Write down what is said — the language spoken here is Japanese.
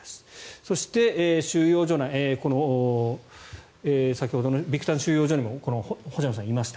そして、収容所内先ほどのビクタン収容所にも星野さんはいました。